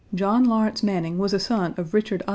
John Lawrence Manning was a son of Richard I.